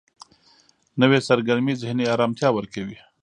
نوې سرګرمي ذهني آرامتیا ورکوي